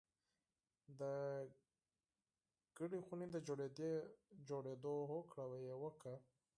د ګډې خونې د جوړېدو هوکړه یې وکړه